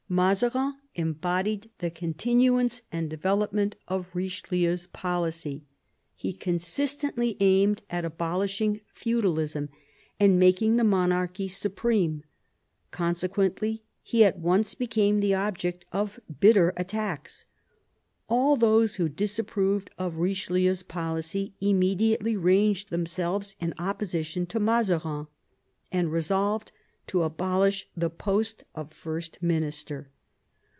Mazarin embodied the continuance and de velopment of Richelieu's policy. He consistently aimed at abolishing feudalism and making the monarchy supreme. Consequently, he at once became the object of bitter attacks. All those who disapproved of Richelieu's policy immediately ranged themselves in opposition to Mazarin, and resolved to abolish the post of First Minister.